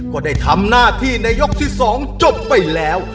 ก็ได้ทำหน้าที่ในยกที่๒จบไปแล้ว